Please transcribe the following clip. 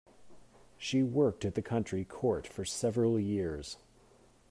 She worked at the county court for several years.